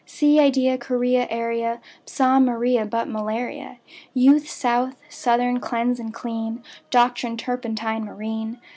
Sea, idea, guinea, area, Psalm; Maria, but malaria; Youth, south, southern; cleanse and clean; Doctrine, turpentine, marine.